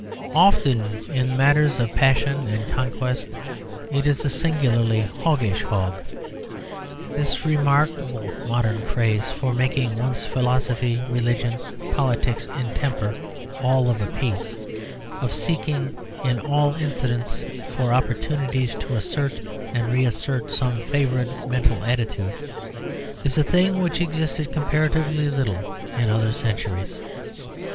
Often in matters of passion and conquest it is a singularly hoggish hog. This remarkable modern craze for making one's philosophy, religion, politics, and temper all of a piece, of seeking in all incidents for opportunities to assert and reassert some favourite mental attitude, is a thing which existed comparatively little in other centuries.